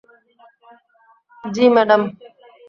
জ্বী, ম্যাডাম?